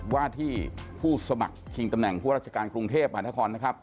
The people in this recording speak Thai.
ว่าที่ผู้สมัครแห่งตำแหน่งผู้ราชการกรุงเทพฯอรางชานทรคอล